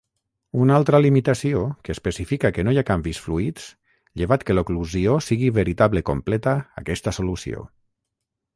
Una altra limitació que especifica que no hi ha canvis fluids llevat que l'oclusió sigui veritable completa aquesta solució.